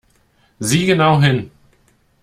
Sieh genau hin!